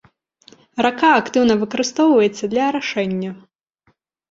Рака актыўна выкарыстоўваецца для арашэння.